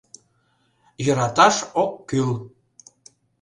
Йӧраташ ок кӱл.